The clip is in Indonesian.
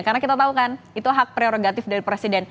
karena kita tahu kan itu hak prerogatif dari presiden